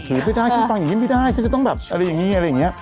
ถือไม่ได้ฉันฟังอย่างนี้ไม่ได้ฉันจะต้องแบบอะไรอย่างนี้อะไรอย่างนี้